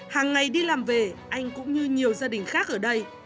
hàng ngày đi làm về anh cũng như nhiều gia đình khác ở đây